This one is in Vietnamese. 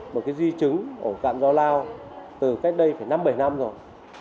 một cái di chứng ổ cạn do lao từ cách đây phải năm bảy năm rồi